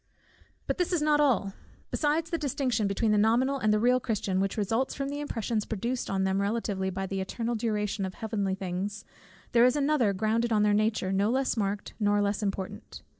But this is not all besides the distinction between the nominal and the real Christian, which results from the impressions produced on them respectively by the eternal duration of heavenly things, there is another grounded on their nature, no less marked, nor less important.